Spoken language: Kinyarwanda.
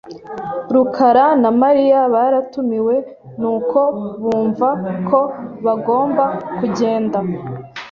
rukara na Mariya baratumiwe, nuko bumva ko bagomba kugenda .